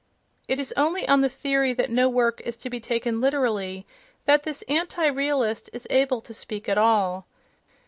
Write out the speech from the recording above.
It is only on the theory that no work is to be taken literally that this anti realist is able to speak at all.